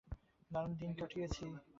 দারুণ দিন কাটিয়েছি।